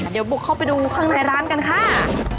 เดี๋ยวบุกเข้าไปดูข้างในร้านกันค่ะ